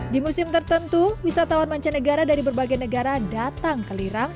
di musim tertentu wisatawan mancanegara dari berbagai negara datang ke lirang